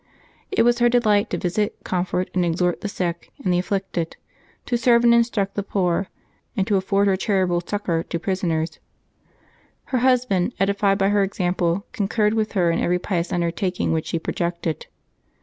It was her delight to visit, comfort, and exhort the sick and the afflicted; to serve and instruct the poor, and to afford her char itable succor to prisoners. Her husband, edified by her example, concurred with her in every pious undertaking which she projected.